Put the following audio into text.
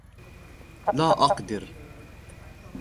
لا أقدر.